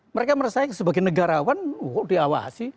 mereka merasakan sebagai negarawan wah diawasi